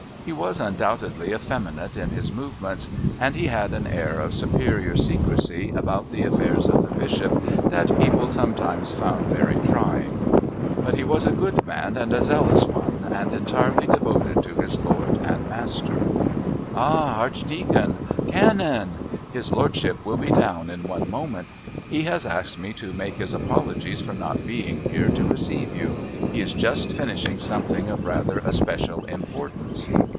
He was undoubtedly effeminate in his movements, and he had an air of superior secrecy about the affairs of the Bishop that people sometimes found very trying. But he was a good man and a zealous, and entirely devoted to his lord and master. "Ha! Archdeacon.... Ha! Canon. His lordship will be down in one moment. He has asked me to make his apologies for not being here to receive you. He is just finishing something of rather especial importance."